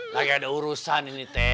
lagi ada urusan ini teh